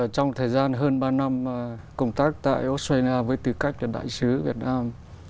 trong thời gian hơn ba năm công tác tại australia với tư cách là đại sứ việt nam